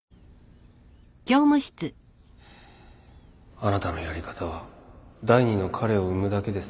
あなたのやり方は第二の彼を生むだけです